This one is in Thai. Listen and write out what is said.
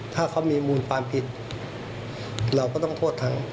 ถ้าเขามีมูลความผิดเราก็ต้องโทษทั้ง